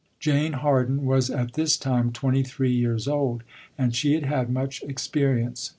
Jane Harden was at this time twenty three years old and she had had much experience.